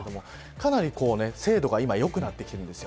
かなり精度が今、良くなってきています。